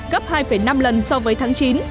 gấp hai năm lần so với tháng chín